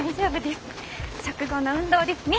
食後の運動ですね！